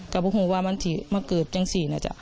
ก็บอกว่ามันจะเกิดอย่างนั้นสินะจ๊ะ